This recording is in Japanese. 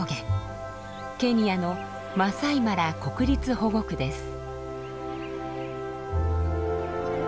ケニアのマサイマラ国立保護区です。